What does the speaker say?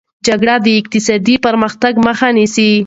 جګړه د اقتصادي پرمختګ مخه نیسي.